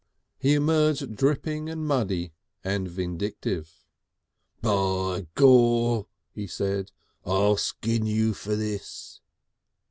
He emerged dripping and muddy and vindictive. "By Gaw!" he said. "I'll skin you for this!"